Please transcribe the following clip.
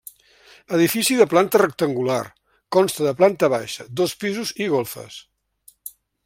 Edifici de planta rectangular, consta de planta baixa, dos pisos i golfes.